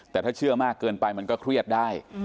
แต่ถ้าเชื่อมากเกินไปมันก็เครียดได้